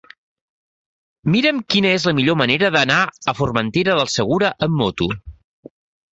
Mira'm quina és la millor manera d'anar a Formentera del Segura amb moto.